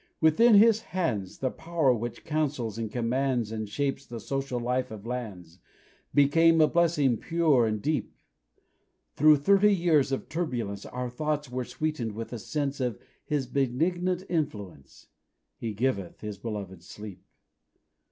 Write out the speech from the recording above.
Within his hands, The power which counsels and commands, And shapes the social life of lands, Became a blessing pure and deep. Through thirty years of turbulence Our thoughts were sweetened with a sense Of his benignant influence "He giveth His beloved sleep."